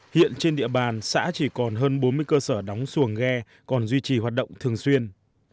hiện trên địa bàn xã chỉ còn hơn bốn mươi cơ sở đóng xuồng ghe còn duy trì hoạt động thường xuyên